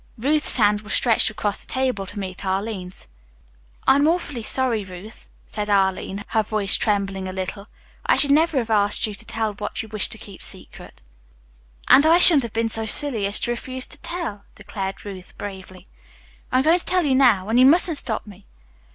Ruth's hand was stretched across the table to meet Arline's. "I'm awfully sorry, Ruth," said Arline, her voice trembling slightly. "I should never have asked you to tell what you wished to keep secret." "And I shouldn't have been so silly as to refuse to tell," declared Ruth bravely. "I'm going to tell you now, and you mustn't stop me.